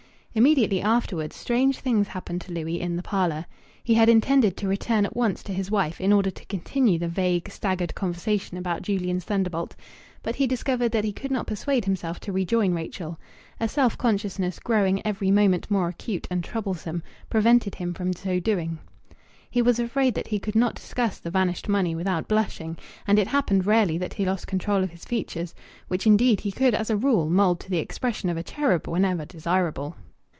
Immediately afterwards strange things happened to Louis in the parlour. He had intended to return at once to his wife in order to continue the vague, staggered conversation about Julian's thunderbolt. But he discovered that he could not persuade himself to rejoin Rachel. A self consciousness, growing every moment more acute and troublesome, prevented him from so doing. He was afraid that he could not discuss the vanished money without blushing, and it happened rarely that he lost control of his features, which indeed he could as a rule mould to the expression of a cherub whenever desirable.